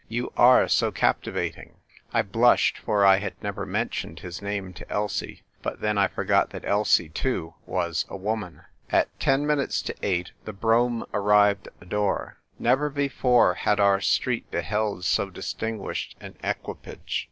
You are so captivating!" I blushed, for I had never mentioned his name to Elsie; but then, I forgot that Elsie too was a woman. At ten minutes to eight the brougham arrived at the door. Never before had our street beheld so distinguished an equipaj^e.